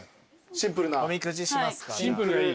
シンプルがいい？